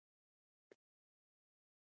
که زه کور وپلورم نو پیسې ورته مهمې نه دي